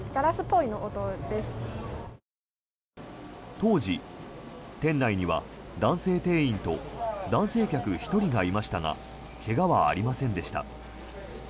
当時、店内には男性店員と男性客１人がいましたが怪我はありませんでした。